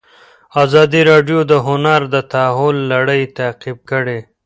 ازادي راډیو د هنر د تحول لړۍ تعقیب کړې.